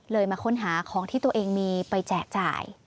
มาค้นหาของที่ตัวเองมีไปแจกจ่าย